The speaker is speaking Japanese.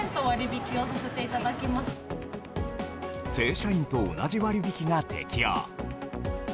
正社員と同じ割り引きが適用。